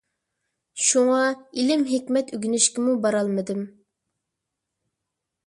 شۇڭا، ئىلىم - ھېكمەت ئۆگىنىشكىمۇ بارالمىدىم.